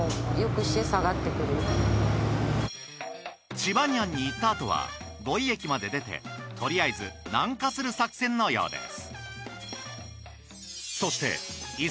チバニアンに行ったあとは五井駅まで出てとりあえず南下する作戦のようです。